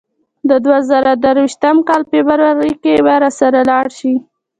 د دوه زره درویشت کال فبرورۍ کې به راسره لاړ شې.